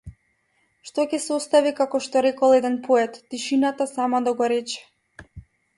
Што ќе се остави како што рекол еден поет тишината сама да го рече.